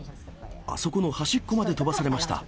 あそこの端っこまで飛ばされました。